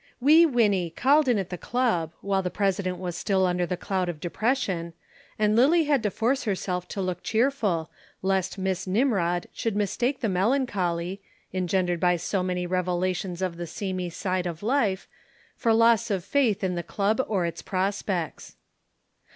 Wee Winnie called at the Club, while the President was still under the cloud of depression, and Lillie had to force herself to look cheerful, lest Miss Nimrod should mistake the melancholy, engendered by so many revelations of the seamy side of life, for loss of faith in the Club or its prospects.